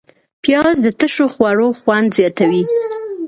پیاز د تشو خوړو خوند زیاتوي